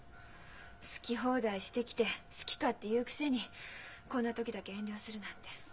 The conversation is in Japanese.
好き放題してきて好き勝手言うくせにこんな時だけ遠慮するなんて。